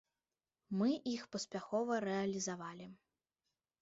Мы іх паспяхова рэалізавалі.